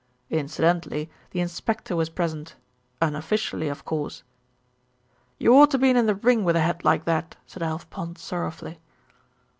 Incidentally the inspector was present, unofficially of course." "You oughter been in the ring with a head like that," said Alf Pond sorrowfully.